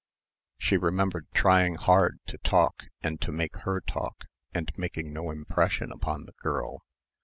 She remembered trying hard to talk and to make her talk and making no impression upon the girl.